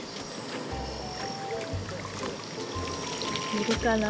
いるかな。